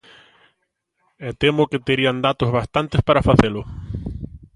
E temo que terían datos bastantes para facelo.